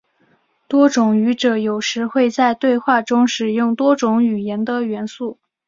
多语者有时会在对话中使用多种语言的元素。